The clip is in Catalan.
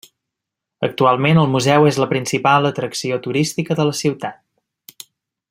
Actualment, el museu és la principal atracció turística de la ciutat.